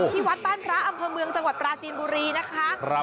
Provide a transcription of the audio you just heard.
ที่วัดบ้านพระอำเภอเมืองจังหวัดปราจีนบุรีนะคะ